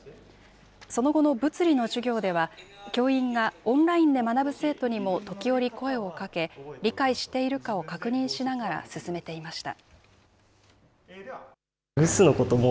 その後の物理の授業では、教員がオンラインで学ぶ生徒にも時折声をかけ、理解しているかを確認しながら進めていました。